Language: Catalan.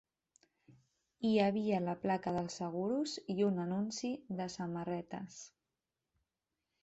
Hi havia la placa dels seguros i un anunci de samarretes